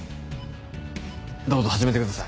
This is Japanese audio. どうぞ始めてください。